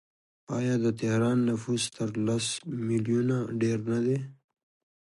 آیا د تهران نفوس تر لس میلیونه ډیر نه دی؟